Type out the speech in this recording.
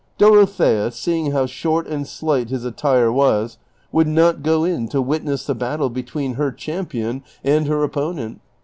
Dorothea, seeing how short and slight his attire was, would not go in to witness the battle between her champion and her 302 DON QUIXOTE. opponent.